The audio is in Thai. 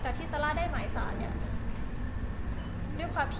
อยากจะบอก